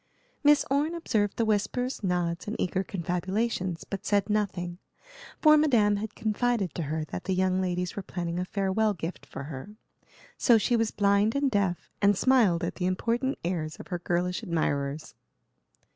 Miss Orne observed the whispers, nods, and eager confabulations, but said nothing, for Madame had confided to her that the young ladies were planning a farewell gift for her. So she was blind and deaf, and smiled at the important airs of her girlish admirers.